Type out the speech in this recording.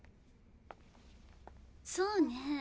そうね。